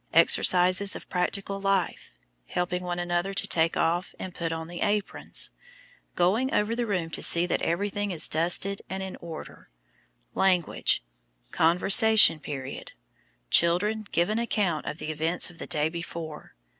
Exercises of practical life; helping one another to take off and put on the aprons. Going over the room to see that everything is dusted and in order. Language: Conversation period: Children give an account of the events of the day before.